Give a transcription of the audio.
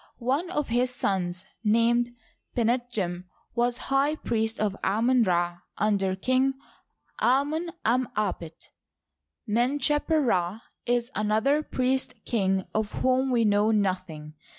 One of his sons named Pinetjem was high priest of Amoh Ra under King Amoft' em apet, Men^cheper Rd is another priest king of whom we know nothing.